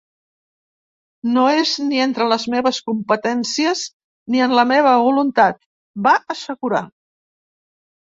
No és ni entre les meves competències ni en la meva voluntat, va assegurar.